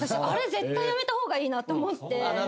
あれ絶対やめた方がいいなと思って。